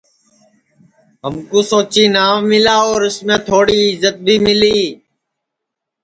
ہمکو سوچی ناو ملا اور اُس میں تھوڑی عزت بھی ملی